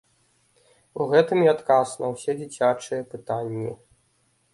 У гэтым і адказ на ўсе дзіцячыя пытанні.